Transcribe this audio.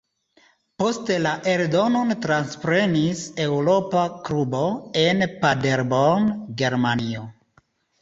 Poste la eldonon transprenis "Eŭropa Klubo" en Paderborn, Germanio.